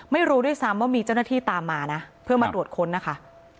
ไม่รู้ด้วยซ้ำว่ามีเจ้าหน้าที่ตามมานะเพื่อมาตรวจค้นนะคะ